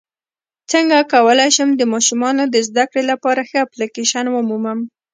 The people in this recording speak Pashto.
څنګه کولی شم د ماشومانو د زدکړې لپاره ښه اپلیکیشن ومومم